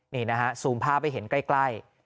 นี่นะฮะซูมภาพให้เห็นใกล้